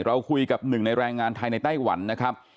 เราคุยกับหนึ่งในแรงงานไทยในไต้หวันนะครับ